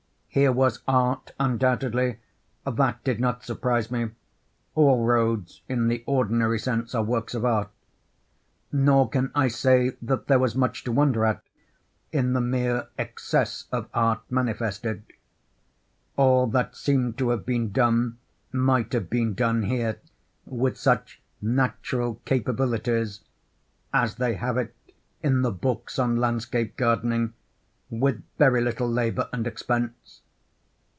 Here was art undoubtedly—that did not surprise me—all roads, in the ordinary sense, are works of art; nor can I say that there was much to wonder at in the mere excess of art manifested; all that seemed to have been done, might have been done here—with such natural "capabilities" (as they have it in the books on Landscape Gardening)—with very little labor and expense.